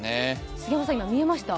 杉山さん、今、見えました？